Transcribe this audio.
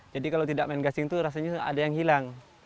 jadi kalau tidak main gasing itu rasanya ada yang hilang